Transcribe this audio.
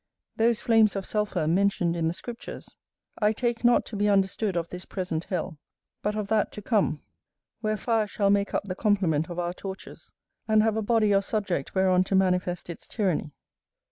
Those flames of sulphur, mentioned in the scriptures, I take not to be understood of this present hell, but of that to come, where fire shall make up the complement of our tortures, and have a body or subject whereon to manifest its tyranny.